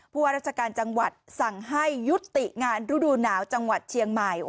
ว่าราชการจังหวัดสั่งให้ยุติงานฤดูหนาวจังหวัดเชียงใหม่